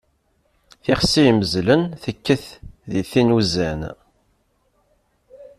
Tixsi yimmezlen, tekkat di tin uzan.